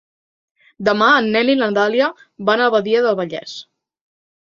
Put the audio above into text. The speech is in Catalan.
Demà en Nel i na Dàlia van a Badia del Vallès.